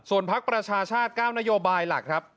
พักประชาชาติ๙นโยบายหลักครับ